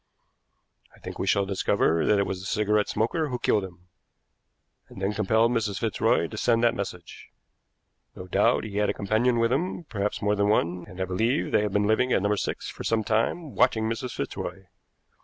I think we shall discover that it was the cigarette smoker who killed him, and then compelled Mrs. Fitzroy to send that message. No doubt he had a companion with him, perhaps more than one, and I believe they have been living at No. 6 for some time watching Mrs. Fitzroy.